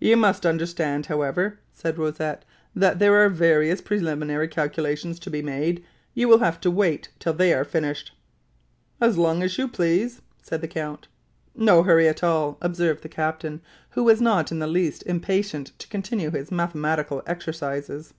"You must understand, however," said Rosette, "that there are various preliminary calculations to be made; you will have to wait till they are finished." "As long as you please," said the count. "No hurry at all," observed the captain, who was not in the least impatient to continue his mathematical exercises.